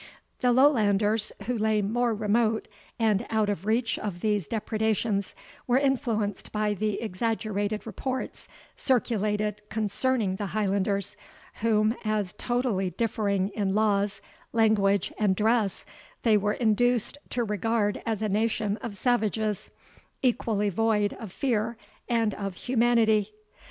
The Lowlanders, who lay more remote, and out of reach of these depredations, were influenced by the exaggerated reports circulated concerning the Highlanders, whom, as totally differing in laws, language, and dress, they were induced to regard as a nation of savages, equally void of fear and of humanity.